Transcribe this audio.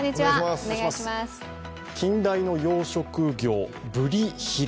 近大の養殖魚、ブリヒラ。